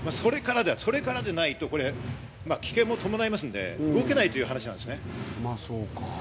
それからでないと危険も伴いますので動けないという話なんですね。